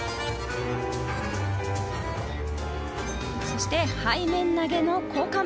そして、背面投げの交換。